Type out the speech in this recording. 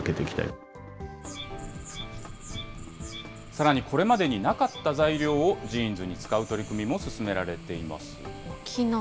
さらにこれまでになかった材料をジーンズに使う取り組みも進沖縄。